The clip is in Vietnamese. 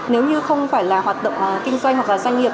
nếu như không phải là hoạt động kinh doanh hoặc là doanh nghiệp